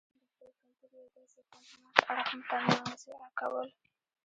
دخپل کلتور يو داسې خوند ناک اړخ متنازعه کول